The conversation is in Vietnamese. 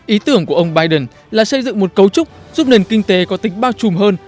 ý tưởng của ông biden là xây dựng một cấu trúc giúp nền kinh tế có tính bao trùm hơn